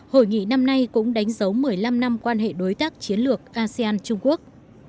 hội nghị năm nay cũng đánh dấu một mươi năm năm quan hệ đối tác chiến lược asean trung quốc